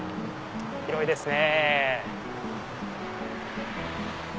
広いですね。